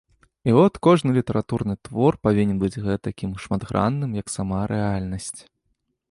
І от кожны літаратурны твор павінен быць гэтакім шматгранным, як сама рэальнасць.